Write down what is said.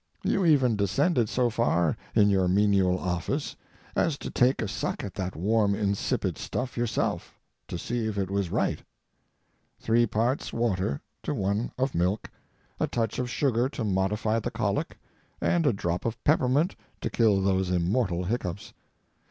You even descended so far in your menial office as to take a suck at that warm, insipid stuff yourself, to see if it was right—three parts water to one of milk, a touch of sugar to modify the colic, and a drop of peppermint to kill those immortal hiccoughs.